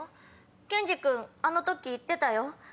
ケンジ君あの時言ってたよ。